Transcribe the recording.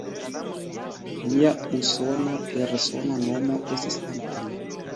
Lia usona persona nomo estis "Anton".